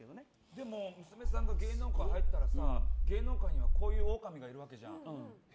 でも娘さんが芸能界入ったらさ芸能界にはこういうオオカミがいるわけじゃん。